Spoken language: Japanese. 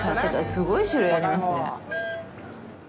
すごい種類ありますね。